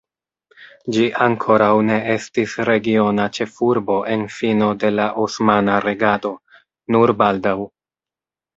Ĝi ankoraŭ ne estis regiona ĉefurbo en fino de la osmana regado, nur baldaŭ.